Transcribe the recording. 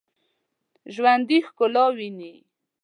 ژوندي ښکلا ویني